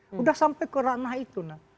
sudah sampai ke ranah itu